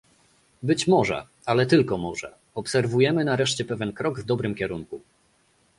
Być może, ale tylko może, obserwujemy nareszcie pewien krok w dobrym kierunku